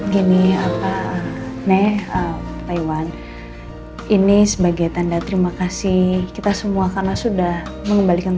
gini apa nih taiwan ini sebagai tanda terima kasih kita semua karena sudah mengembalikan